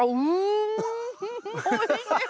おいしい。